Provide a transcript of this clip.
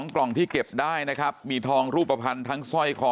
กล่องที่เก็บได้นะครับมีทองรูปภัณฑ์ทั้งสร้อยคอ